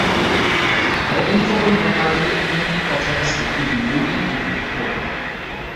The rainfall normally only occurs between June and October.